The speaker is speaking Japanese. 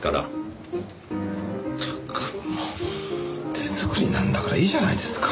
手作りなんだからいいじゃないですか。